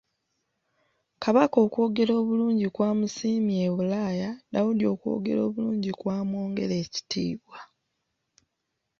Kabaka okwogera obulungi kwamusiimya e Bulaaya Daudi okwogera obulungi kwamwongera ekitiibwa.